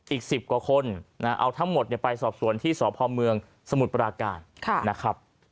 อีก๑๐กว่าคนเอาทั้งหมดไปสอบสวนที่สพเมืองสมุทรปราการนะครับ